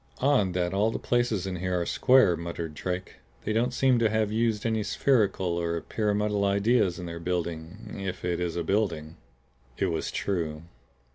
"Odd that all the places in here are square," muttered Drake. "They don't seem to have used any spherical or pyramidal ideas in their building if it is a building." It was true.